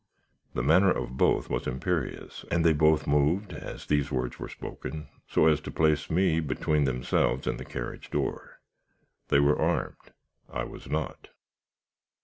"The manner of both was imperious, and they both moved, as these words were spoken, so as to place me between themselves and the carriage door. They were armed. I was not.